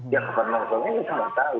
yang kebangsaannya nggak tahu